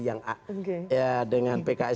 yang dengan pks